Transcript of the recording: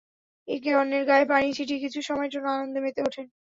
একে অন্যের গায়ে পানি ছিটিয়ে কিছু সময়ের জন্য আনন্দে মেতে ওঠেন।